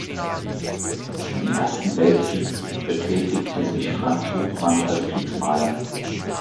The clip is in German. Im Ersten Weltkrieg betätigte sich Franz Hochmann als Kriegsmaler.